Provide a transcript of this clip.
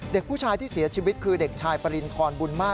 เด็กผู้ชายที่เสียชีวิตคือเด็กชายปริณฑรบุญมาส